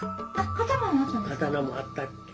刀もあったって。